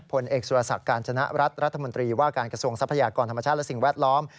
ผลเอกสุรศักดิ์การจนรัฐรัฐมนตรีว่าการกระทรวงทรัพยากรธรรมชาติและสิ่งแวดล้อม